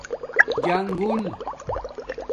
جݣگل